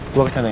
gue kesana ya